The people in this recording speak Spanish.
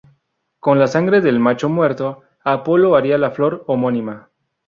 Con la sangre del muchacho muerto, Apolo haría la flor homónima.